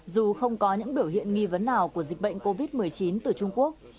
dù không có những biểu hiện nghi vấn nào của dịch bệnh covid một mươi chín từ trung quốc